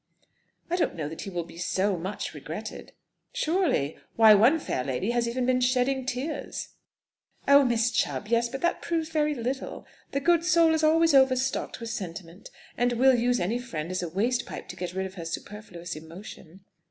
"I don't know that he will be 'so much regretted.'" "Surely Why, one fair lady has even been shedding tears!" "Oh, Miss Chubb? Yes; but that proves very little. The good soul is always overstocked with sentiment, and will use any friend as a waste pipe to get rid of her superfluous emotion."